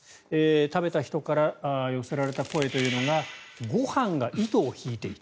食べた人から寄せられた声というのがご飯が糸を引いていた。